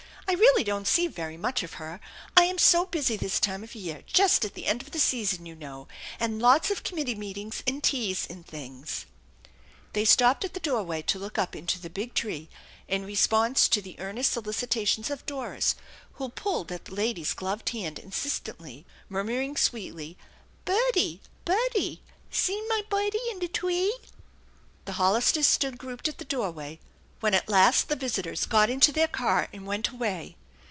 I really don't see very much of her, I'm so busy this time of year, just at the end of the season, you know, and lots of committee meetings and teas and things." They stopped at the doorway to look up into the big tree, in response to the earnest solicitations of Doris, who pulled at the lady's gloved hand insistently^ murmuring sweetly: " Budie ! Budie ! See mine budie in the twee !" The Hollisters stood grouped at the doorway when at last the visitors got into their car and went away.